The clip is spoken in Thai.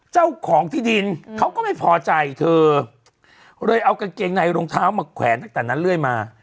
เจ้าของที่ดินเขาก็ไม่พอใจเธอเลยเอากางเกงในรองเท้ามาแขวนตั้งแต่นั้นเรื่อยมา